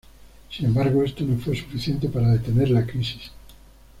Sin embargo, esto no fue suficiente para detener la crisis.